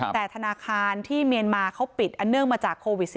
แต่ธนาคารที่เมียนมาเขาปิดอันเนื่องมาจากโควิด๑๙